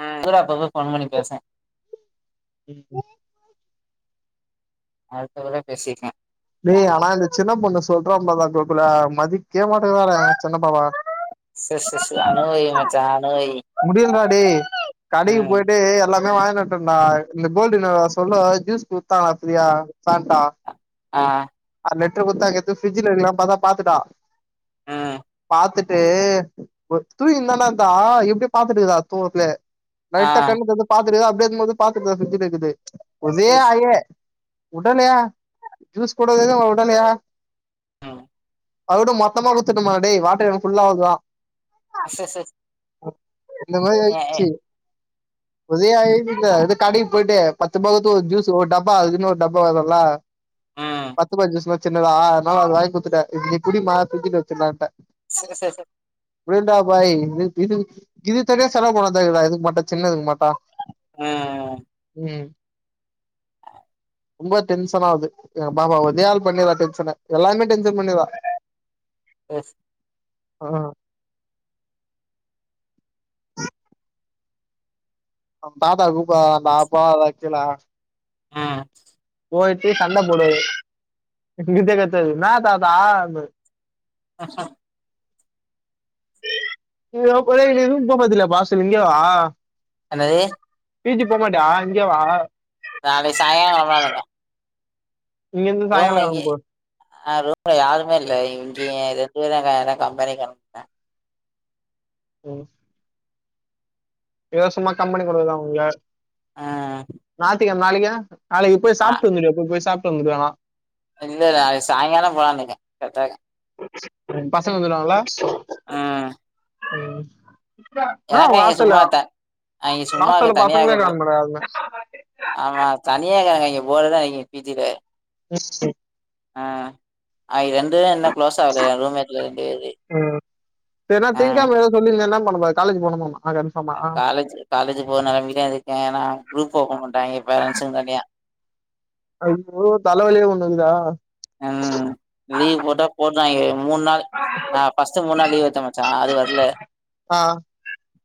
ம் கூறா அப்பப்ப ஃபோன் பண்ணி பேசுவே ம் அடுத்த தடவ பேசிக்கே டேய் ஆனா இந்த சின்ன பொண்ணு சொல்றா பார்றா கோகுல் மதிக்கவே மாட்டதுறா சின்னப்பாப்பாவ ச ச ச அனுபவி மச்சா அனுபவி முடியலடா டேய் கடைக்கு ம் போய்ட்டு எல்லாமே வாங்கினுவ ன்ட டா இந்த கோல்டுவின்னர் சொன்ன‌மாரி ஜூஸு குத்தாங்டா ஃபிரியா ஃபேண்ட்டா ஆ அரலிட்ரு குத்தாங்க எத்து ஃபிரிட்ஜில வக்லானு பாத்தா பாத்துட்டா ம் பாத்துட்டு தூகினுதான இந்தா எப்டியோ பாத்துட்டு இருக்கா தூகத்துலே ஆ லைட்டா கண்ணுதொரந்து பாத்துட்டு அப்டே இருக்குபோது பாக்குது ஃபிரிஜ்ல இருக்குது ஒரே செர் அழ உடலையா ஜூஸ் கூடதுத உடலையா ம் அவ்ர்ட மொத்தமா குத்தட்டுமா டேய் வாட்டர்கேன் ஃபுல்லா அவ்ருதா [unintelligible] இந்த மாரி எ எ ஆய்ச்சி ஒரே அழுக இதுகான்டி போய்ட்டு பத்துப்பா குடுத்து ஒரு ஜுஸ்ஸு ஒரு டப்பா அதுக்குனு ஒரு டப்பா வருல ம் பத்துபா ஜுஸ்ல சின்னதா அதனால அதவாங்கி குத்துட்ட இத நீ குடிமா திங்கிட்டு வச்சிருந்தானன் சரி சரி சரி புடியடா பாய் இது இது இது தனியா செலவு போன தடா இதுக்கு மாட்டா சின்ன இதுக்கு மாட்டா ம் ம் ம் ரொம்ப டென்ஷனா ஆவுது எங்க பாப்பா உதையள் பண்ணிரா டென்ஷன எல்லாருமே டென்ஷன் பண்ணிரா எஸ் ஆ அவுங்க தாத்தா கூப்பரார டா அப்பா தக்சலா ம் போயிட்டு சண்ட போடுது இங்கிந்தே கத்துது என்னா தாத்தா ஆனு ஆஹ [unintelligible] என்னது பீஜிகு போமாட்டயா இங்கே வா நாளைக்கு சாய்ங்காலோ வர்லாருக்க இங்கருந்து ரூம்ல சாயங்காலம் இங்க கெளம்பி போ ஆ ரூம்ல யாருமே இல்ல‌ இங்கே ரெண்டு பேர் தா இருக்காங்க கம்பெனி காரங்க ம் இலவசமா கம்பெனி கொடுதா உங்கள ம் ஞாய்த்துகழம நாளைக்கு நாளைக்கு போய் சாப்ட்டு வந்துடு இப்ப போய் சாப்ட்டு வந்துடு வேணா இல்லடா சாயிங்காலோ போலான் இருக்க கரட்டா இருக்கு பசங்க வந்துடுவாங்களா ஆ ம் என்ன உங்க இங்க ஹாஸ்டல்ல சும்மா த அ இங்க சும்மா இருக்க ஹாஸ்டல்ல தனியா பசங்ளே இருக்க போ காணமேடா அதுதா ஆமா தனியா இருகங்க இங்க போறுதா அடிக்கு பீத்திட்டு ம் ம் ஆ அது ரெண்டு தா என்ன குளோஸ் ஆகல எ ரூம்மேட்ல ரெண்டு பேரு ஆ சொல்லு என்னலா பண்ணுவா காலேஜ போனுமாமா காலேஜ் காலேஜ்ஜு போற நெலமையிலயா இருக்கே நா குரூப் ஓப்பன் பன்னிட்டாக பேரன்ட்ஸுக்கு தனியா ஐயோ தலவலியே ஒண்ணுகுதுதா ம் லீவ் போட்டா போட்றாங்கே மூன் நாள் ஆ பஸ்ட் மூன் நாள் லீவ் எத்த மச்சா அது வர்ல ஆ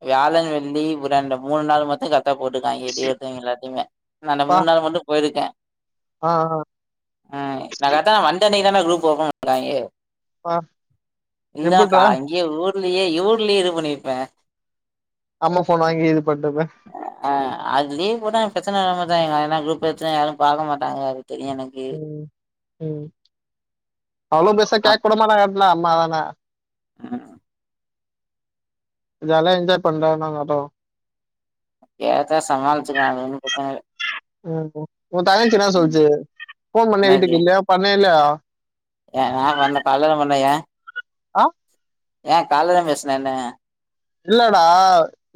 வியாழன் வெள்ளி புதன் இந்த மூணு நாள் மத்தும் க தா போட்ருக்காங்கே லீவ் எத்தவைங்க எல்லாத்தயுமே நானு பா மூன் நாளு மட்டு போய்ருக்க ஆ ஆ அ நா கர்ட்டா நா வந்த அன்னைக்தான்டா குரூப் ஓப்பன் பண்ணிக்காங்கே பா இந்தாக்கா எப்புட்றா அங்கியே ஊர்லியே யூர்லியே இது பண்ணிர்ப்பே அம்ம ஃபோன் வாங்கி இது பண்டுப்பே அ அது லீவ் போட்டா எனக் பிரச்சன ஆகமாட்டங்கே ஏனா குரூப் பிரச்சன யாரு பாக்க மாட்டாங்க அது தெரியு எனக் ம் ம் அவ்ளோ பெர்சா அ கேக் கூட மாட்டாங்க அட்லா அம்மாதான ம் இதால என்ஜாய் பண்றா என்னாங்காட்டோ கேக்கா சமாளிச்சுகுவ அது ஒன்னு பிரச்சனல ம் ம் உ தங்கச்சி என்னா சொல்ச்சு ஃபோன் பண்ணியா என்னது வீட்டுக்கு இல்லயா பண்ணயா இல்யா ஏ நா பண்ண காலைல பண்ண ஏ ஆ ஏ கால்லதா பேச்ன என்ன இல்லடா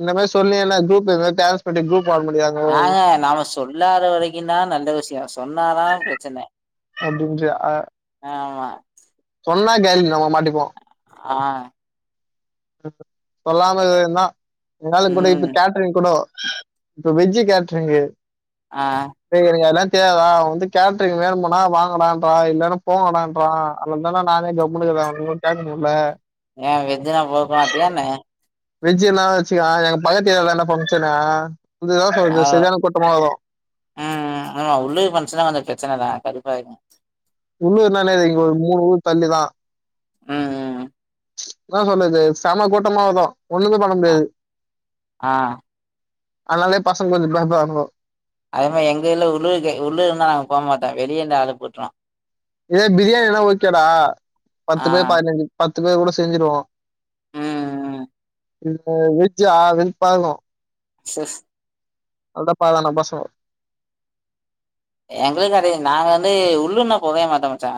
இந்த மாரி சொல்லி என்ன குரூப்ல இந்த டேன்ஸ் பண்ணி குரூப் வாங்க முடியாது ஆ அ நாம சொல்லாத வரைக்குந்தா நல்ல விஷ்யோ சொன்னாதா பிரச்சன அப்டின்ற அ ஆமா சொன்னா காலி நம்ம மாட்டிப்போ ஆ சொல்லாம இதவயிந்தா எதுனாலு கூடோ ம் இப்ப கேட்ரிங் கூடோ இப்ப வெஜ்ஜி கேட்ரிங்கு அ ஏ எனக் அதுலா தெயாதுடா வந்து கேட்ரிங் வேணுமுனா வாங்கடான்ரா இல்லனா போங்கடான்ரா அலந்தானா நானே கம்முனுகுறே ஒன்னு கேக்கமுல்ல ஏ வெஜ்னா போக்மாட்டியா என்ன வெஜ் என்ன வச்சுக்யே எங்க பக்கத்து ஏர்யாலதான்டா ஃபங்சனே கொஞ்ச யோச்ன ஆ பண்ணு செரியான கூட்டமா வரு ம் ம் ஆமா உள்ளியே ஃபங்சனா கொஞ்ச பிரச்சனதா கடுப்பாய்டு உள்ளுர்னா என்னது இங்க ஒரு மூனு ஊர் தள்ளிதா ம் ம் ம் என்னா சொன்னது செம்ம கூட்டமா வரு ஒன்னுமே பண்ண அ முடியாது ஆ அனாலே பசங்க கொஞ்ச பயப்பரானுங்கோ அதே மாரி எங்க இல உள்ளூர்க உள்ளூர் நாங்க போமாட்டோ வெளியந்து ஆளு போட்ருவோ இதே பிரியாணினா ஓக்கேடா பத்து ஆ பேர் பதினஞ்சி பத்து பேர் கூட செஞ்சிருவோ ம் ம் இதுல வெஜ்ஜா வெறுப்பாகு சிஸ் அல்தா பாக்லானா பசகோ எங்களுக்கு அதே நாங்க வந்து உள்ளூர்னா போகவே மாட்ட மச்சா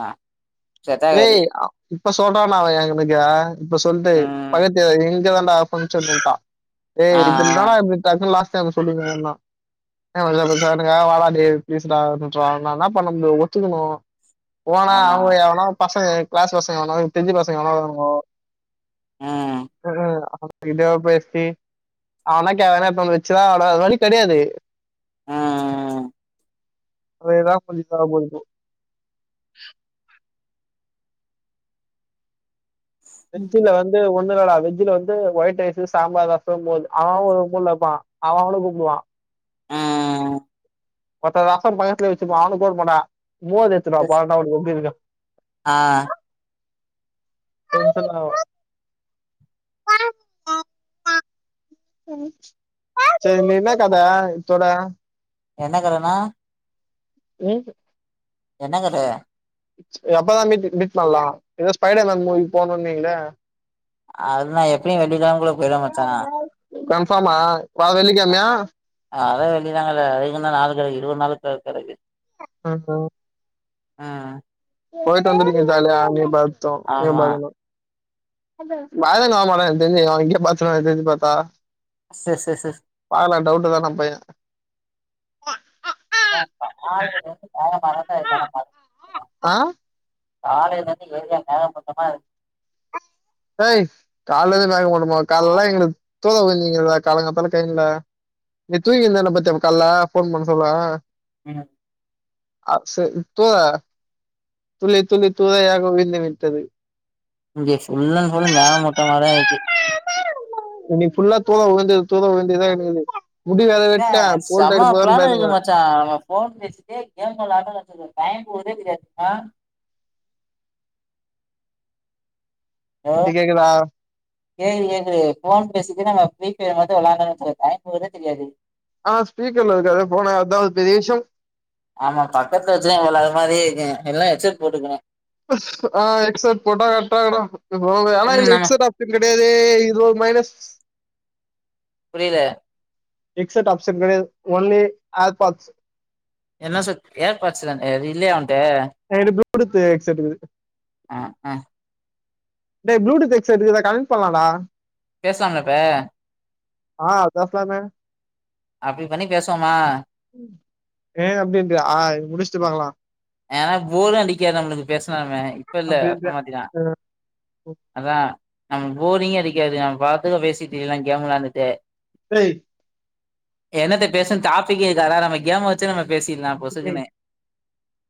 செட் டேய் ஆகாது அ இப்ப சொல்றான்டா அவ ஏங் கணுக்கே இப்ப சொல்ட்டு ம் பக்கத்து ஏயா இங்தாண்டா ஃபங்ஷனுன்டா ஏய் ஆ இங்கிந்தாடா ஆ எப்பிம் கசில லாச்ட் டைம் சொல்லுங்ககன்னா [unintelligible] வாடா டேய் ப்ளீஸ்டான்றா நா இன்னா பண்ண முடியு ஒத்துகுனு போனா ஆமா அவுங்க எவனா பசங்க கிளாஸ் பசங்க எவனாது தெஞ்ச பசங்க எவனா வருவானுங்கோ ம் ம் கிடோ பேசி அவனா [unintelligible] வேற வழி கெடையாது ம் ம் அதேதா [unintelligible] டென்சின்ல வந் து ஒன்னு நடா வெஜ்ஜில வந்து ஒயிட் ரைஸ்சு சாம்பார் ரசம் மோது அவவ ஒவ்வொரு மூல்ல இப்பா அவ அவன கூப்டுவா அ ஒருத்த ரசம் பக்கத்லே வச்சிப்பா. அவன கூப்பிட மாட்டா மோர் எத்துனுவா சிஸ் போறான்டா அவனுக்கு எப்டிருக்கு ஆ டென்ஷனாவு சேர் நீ இன்னா கத இத்தோட என்ன கதனா [unintelligible] என்ன கத எப்பதா மீட்டு மீட் பண்லா எதோ ஸ்பைடர் மேன் மூவிக் போணுன்னீங்களே அதல்லான் எப்பியு வெள்ளிக்கெழம்க்குள்ள போய்ல்லா மாச்சா கன்ஃபாமா வர வெள்ளிக்கெழ்ம்யா ஆ அதா வெள்ளினாங்கள வெள்ளினா அதுக்கு இன்னு நாளு கெடக்கு இருவத் நாளு கெடக்கு அ அ ஆ போய்ட்டு வந்திட்வீங்க ஜாலியா நீ பரத்து நீயு ஆமா பரத்து மதன் வர மாட்டா எனக் தெரிஞ்சு [unintelligible] பாத்தா சேர் சேர் சே பாக்கலா டவுட்டு தா நம் பைய ஆ [unintelligible] காலையில இருந்து எரியா மேகமூட்டமா இருக் ஏய் கால்லந்து மேகமூட்டமாவா கால்லெல்லா எங்களுக் தூறல் பேஞ்சிங்கிதுடு காலங்காத்தால கழினில நீ தூங்கினிந்தல பாத்தியா கால்ல ஃபோன் பண்ண சொல்ல ம் அ செ தூ துளி துளி துளியாக விழுந்து விட்டது இங்க ஃபுல்லன் ஃபுல்லு மேகம் மூட்டமா தா இருக்கு இன்னிக்கு ஃபுல்லா தூரல் விழுந்து தூறல் விழுந்தே தா கெடக்குது முடி வேற வெட்டே கோல்டு ஆயிற போதோன் பயந்துன்கிற ! ! ! ! ! ! ! ! ! ! ஹலோ இப்ப கேக்குதா கேள்வி கேக்குது ஃபோன் பேசிட்டே நாங்க ஃப்ரீ பையர் மட்டு வெளடோன் வெச்சுக்கோ டைம் போற்தே தெரியாது ஆ ஸ்பீக்கர்ல இருக்கு அத ஃபோனு அத்தா ஒரு பெரிய விஷ்யம் ஆமா பக்கத்துல வெச்சுதா [unintelligible] இல்ல ஹெட்செட் போட்டுக்குவே ஆ ஹெட்செட் போட்டா கரெட்டாக்குடா [unintelligible] இப்போ ஆனா ம் இத்ல ஆமா ஹெட்செட் ஆப் ஷென் கெடயாதே இது ஒரு மைனஸ் புரில ஹெட்செட் ஆப்ஷன் கெடையாது ஒன்லி ஏர்பாட்ஸ் என்னா செட் ஏர்பாட்ஸு தான இல்லையா உன்ட்ட எங்கிட்ட ப்ளுடூத்து ஹெட்செட்டுகிது அக்அ டேய் ப்ளூடூத் எட்செட் இதுல கனெட் பண்ணலான்டா பேஸ்லாம்ல இப்ப ஆ பேஸ்லாமே அப்டி பண்ணி பேஸ்வோமா ஏன் அப்டின்றியா இது முடிஷ் ஏன்னா போரு அடிக்காது நம்ளுக்கு பேசுனால்மே இப்ப இல்ல அப்படின்ட்டு அப்றமாட்டி தா அஹ் அதா நமக் போரிங்கே அடிக்காது நம்பாட்டுக்கு பேசிட்டுக்கிலா கேமு விளாண்டுட்டே [unintelligible] என்னத்த பேசன் டாப்பிக்கே இருக்காதா நம்ம கேம வச்சே நம்ம பேசிட்லாம் டேய், பொசுக்குனு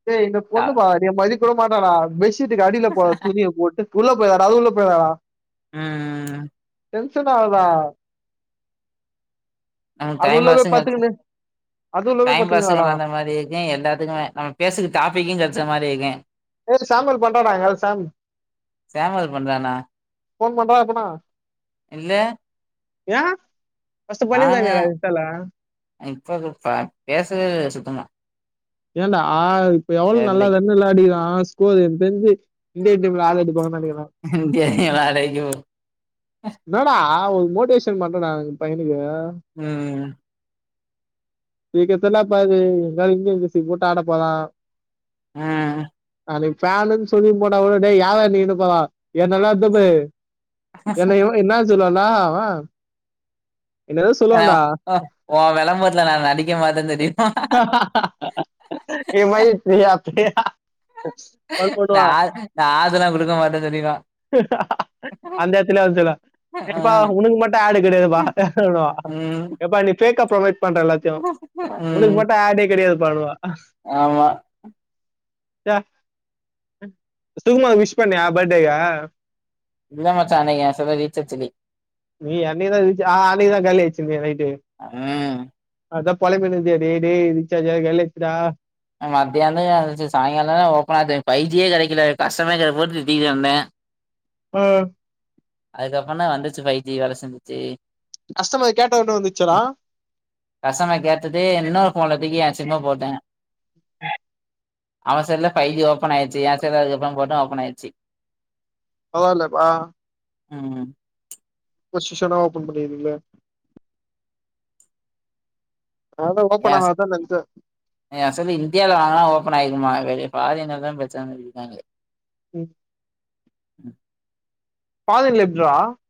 டேய் இந்த பொண்ணு பா டா என்ன மதிக்கூய மாட்டாடா பெஷீட்டுக்கு அடியில போ துணிய போட்டு உள்ள போய்ராடா அது உள்ள போய்ராடா அ டென்ஸன் ஆவ்த்ரா நானு அது டைம் உள்ள பாசு போய் நெனச்சேன் பத்துக்கின்னு அது உள்ள போய் டைம் பாசு பத்துக்கினாடா வெளயாண்ட மாரி யே எல்லாத்துக்குமே நம்ம பேசுக்கு டாப்பிக்கும் கெடைச்ச மாரி இருக்கும் ஏஸ் சாமல் பண்டானா சாம் ஊருக்கு வந்தானா ஃபோன் பண்றா இல்ல ஏ ஃபஸ்ட்டு நாங்க பண்ணிருந்தலடா ஏத்தால இப்ப கூப்டா பேசுவேயில்ல சுத்தமா ஏன்டா ஆ இப்ப எவ்ளவு தெர்லை நல்லாத விளாடிக்கிறான் ஸ்கோர் தெரிஞ்சு இந்திய டீம்ல ஆள் எடுப்பாங்கன்னு நினைக்கிறே [unintelligible] என்னாடா ஒரு மோட்டிவேஷன் பண்ணுடா அந்த பையனுக்கு ம் [unintelligible] ஆ நாளைக்கு காலேருந்து சொல்லி போட்டா கூட டேய் யாரா நீ போரா என்னடா [unintelligible] என்ன இவன் என்ன சொன்னான்டா அவன் என்ன ஏதோ ஆ சொல்லுவான்டா ஓ ஓன் வெளம்பரத்துல நான் நடிக்க மாட்டேன் தெரியு [unintelligible] [unintelligible] பண்ணுவான் நான் நான் அதுலாம் குடுக்க மாட்டேன்னு சொல்லிருவேன் அந்த என்ன சொல்ல யப்பா ம் உனுக்கு மட்டும் ஆளு கிடையாதுப்பா ம் எப்பா நீ ஃபேக்கப்ப்ரொ பண்ற எல்லாத்தையு உனக்கு மட்டும் அடே கிடையாது பண்ணுவா ஆமா சுகுமாக்கு விஷ் பண்ணியா பேட்டேல இல்ல மச்சான் அன்னைக்கு என் செல்ல ரீச்சார்ச்சுல்ல நீ என்னைக்கு தான் ஆ அன்னைக்கு தான் கைல வச்சிந்தியே நைட்டு ம் அதான் பொலம்பினருந்தியே டேய் டேய் ரிச்சார்ஜு வேற காலி ஆய்ச்சுடா மத்தியானம் சி சாயங்காலம் தானே ஓப்பன் ஆது ஃபை ஜியே கெடைக்கல கஷ்டமர் கேர் போட்டு திட்டிட்டு இருந்தேன் ஆ அதுக்கப்புறம் தான் வந்துச்சு ஃபை ஜி வேலை செஞ்சிச்சு கஷ்டமர் கேட்ட ஒடனே வந்துச்சாடா கஷ்டமர் கேட்டுட்டு இன்னொரு போன்ல தூக்கி என் சிம்ம போட்டேன் அவே செல்லுல ஃபை ஜி ஓப்பன் ஆயிச்சு என் செல்ல அதுக்கப்றம் போட்டா ஓப்பன் ஆயிச்சு பரவால்யா பா ம் வேஷ்டு செலவா பன்னிருவாங்களே அதலதான் ஓப்பனாவாதான் நென்ச்சேன் அ சோலி இந்தியால வாங்குனா ஓப்பன் ஆயிருக்கும்மா வெளி ஃபாரின் நாலதா பிரச்சன சொல்லிருக்காங்க ம் [unintelligible] [unintelligible]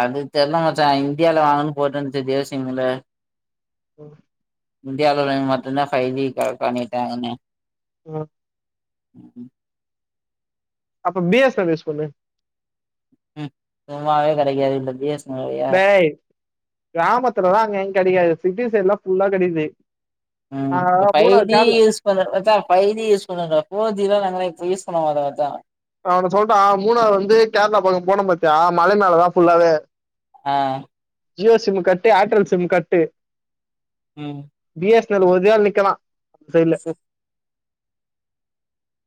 அது தெர்ல மச்சா இந்தியால வாங்கன்னு போட்ருந்துச்சு ஜியோ சிம்ல ம் இந்தியால உள்ளவைங்க மட்டும்தான் ஃபை ஜி கனக்ட் பண்ணிட்டாங்கனே ம் ம் ம் அப்ப B S N L use பண்ணு ம் சும்மாவேக் கெடைக்குதா உங்களுக்கு டேய் கிராமத்துலதா அங்க எங்க கெடைக்காது சிட்டி சைட்லாம் ஃபுல்லாக் கெடைக்து ம் பைஃஜி யூஸ் இப்ப இந்த மச்சா ஃபை ஜி யூஸ் பண்ணங்கப்போ ஜியோ ஃபோர்ஜீ நாங்கள யூஸ் பண்ணாங்களா மச்சா நா ஒன்னு சொல்ட்டா மூணார் வந்துக் கேரளா பக்க போனோ பாத்தியா மலை மேலதா ஃபுல்லாவே ஆ ஜியோ சிம்மு கட்டு ஆட்ரல் சிம் கட்டு ம் B S N L original நிக்கலா சைட்ல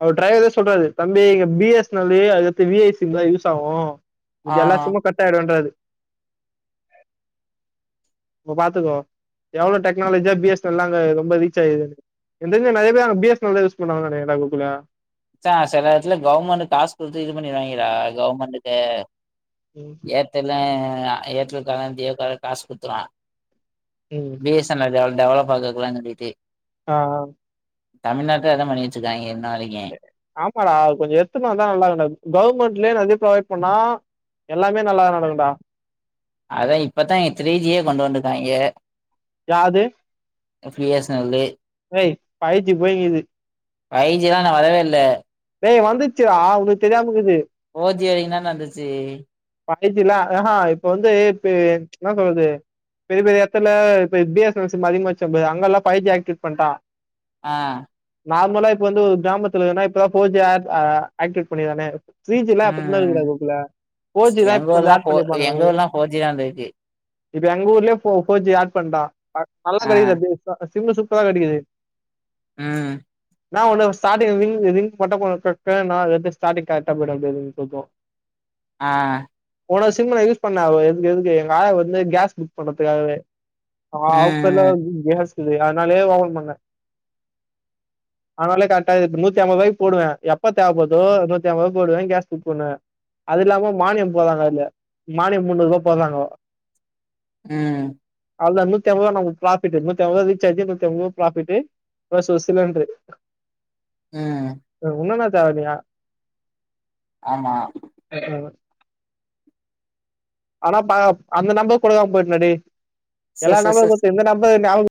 அவர் டிரைவரே சொல்றாரு தம்பி இங்க பி எஸ் என் எல்லு அதுகத்து வி ஐ சிம் தா யூஸ் ஆவு ஆ மீதி எல்லா சிம்மும் கட்டாய்டுன்றாரு அப்ப பாத்துக்கோ எவ்ளோ டெக்னாலஜியா பி எஸ் என் எல்லா அங்க ரொம்ப ரீச் ஆயி எனக் தெரிஞ் நறைய பேரு அங்க பி எஸ் என் எல் தா யூஸ் பண்றாங்கன்னு நெனக்கிற கோகுலு மச்சா செல எடத்துல கவுர்மெண்டு காஸ் குடுத்து இது பண்ணிருவாய்ங்கடா கவுர்மெண்ட்டுக்கு ம், ஏர் டெலு ஏர்டெல்கார ஜியோக்கார காஸ் குத்துருவா ம் பி எஸ் என் எல் எவ்ள டெவலப் ஆகுக்லான்னு டீட்டெயி ஆ ஆ தமிழ்நாட்ல அதா பண்ணி வச்சிருக்காய்ங்க இன்ன வரைக்கு ஆமாடா அது கொஞ்ச எட்த்துன்னு வந்தா நல்லாருக்கும்டா கவுர்மெண்ட்லயே நறைய ப்ரொவைட் பண்ணா எல்லாமே நல்லா நடக்குன்டா அதா இப்பதா இங்க த்ரீஜியேக் கொண்டு வந்துருக்காய்ங்க யாது ஏய் பி ஃபைவ்வீஸயிச்சிப்ஜஜஜ. எஸ் என் எல்லு ஸஸஸஸஸஸஸஸஸஸஸஸஸஸ ஸ்பெண்ட் வ்ஸஸஸஸ. ஷௌகபோய்க்கிது ஃபைஜிலா இன்னு வரவேல்ல டேய் வந்துச்சுரா உனக்குத் தெரியாமக்குது ஃபோர்ஜீ வரைக்கு தான்டா இருந்துச்சு ஃபைஜிலா ஆஹ இப்போ வந்து இப்ப என்ன சொல்றது பெரிய பெரி எடத்துல இப்ப B S N L sim அதிக்மாச்சிம்ப அங்கலா ஃபைஜி ஆக்டிவேட் பண்ட்டா ஆ நார்மலா இப்போ வந்து ஒரு கிராமத்துல ஏனா இப்பதா ஃபோர்ஜீ ஆட் ஆ ஆக்டிவேட் பண்ணிக்கிறாங்க த்ரீஜிலா ம் அப்பதிலேந்துருக்குடா ம் கோகுலு ஃபோர்ஜீ தான் எங்க இப்ப கொஞ்ச ஊர்லா ஆட் ஃபோ எங்க பண்ணிருப்பாங்க ஊர்லா ஃபோர் ஜி தா வந்துருக்கு [inaudible] இப்ப எங்க ஊர்லயே ஃபோ ஃபோர்ஜீ ஆட் பண்டா ஆ நல்லா ஆ கெடிக்குது பேஸ்ட்டா சிம்மு சூப்பரா கெடிக்கிது ம் என்னா ஒன்னு ஸ்டார்ட்டிங்ல ரிங் ரிங் மட்டு [unintelligible] ஸ்டார்ட்டிங் கரெக்ட்டா போயிடு அப்டியே [unintelligible] ஆ போன சிம் நா யூஸ் பண்ண அது எதுக்கு எதுக்கு எங்க ஆயா வந்து கேஸ் புக் பண்ணதுக்காகவே ஆ அவுங்கள்லா ம் வந்து கேஸ் ‌இல்லியா அதனாலயே ஓப்பன் பண்ண அதனாலயே கரெக்டா இது பண் நூத்தி அம்பது ரூபாய்க்குப் போடுவ எப்ப தேவப்படுதோ நூத்தி அம்பதுரூபாக்கு போடுவ கேஸ் புக் பண்ணுவ அது இல்லாம மானியம் போட்றாங்க அதுல மானியம் முன்னூரூவா போட்றாங்கோ ம் அவ்ளோதா நூத்திஅம்பது ரூவா நமக்கு ப்ராஃபிட்டு நூத்தி அம்பது ரூவா ரீச்சார்ஜு நூத்தி அம்பது ரூவா ப்ராஃபிட்டு ப்ளஸ் ஒரு சிலிண்ட்ரு ம் வேற ஒன்னுமே தேவயில்லையா ஆமா ஆனா நா அந்த நம்பர் கொடுக்காம போயிட்டேனே டே சு எல்லா சு நம்பரு சு குத்து இந்த நம்பர் ஞாப